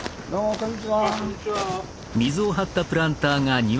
こんにちは。